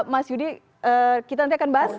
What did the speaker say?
mas yudi kita nanti akan bahas